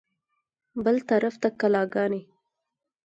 بل طرف ته کلاګانې.